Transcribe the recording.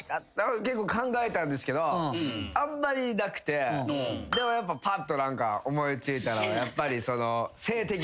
結構考えたんですけどあんまりなくてでもぱっと思いついたのはやっぱり。